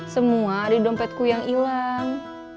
semua ada di dompetku yang ilang